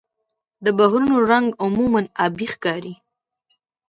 د بحرونو رنګ عموماً آبي ښکاري.